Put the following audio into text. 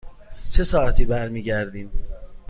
چه ساعتی برمی گردیم؟